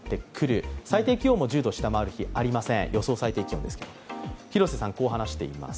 予想最低気温も１０度を下回る日はありません。